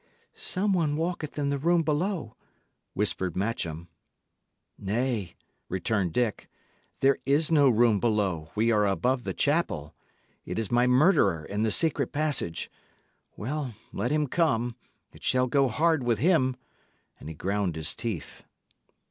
"Some one walketh in the room below," whispered Matcham. "Nay," returned Dick, "there is no room below; we are above the chapel. It is my murderer in the secret passage. Well, let him come; it shall go hard with him;" and he ground his teeth.